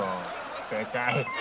正解。